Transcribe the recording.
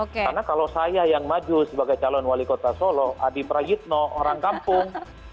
karena kalau saya yang maju sebagai calon wali kota solo adi prayitno orang kampung